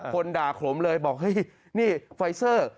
คนด่าขลมเลยบอกเฮ้ยนี่ไฟเซอร์